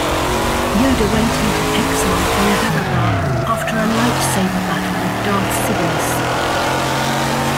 Yoda went into exile on Dagobah after a lightsaber battle with Darth Sidious.